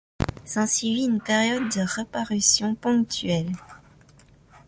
S'ensuivit une période de reparutions ponctuelles.